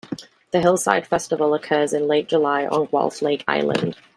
The Hillside Festival occurs in late July on Guelph Lake Island.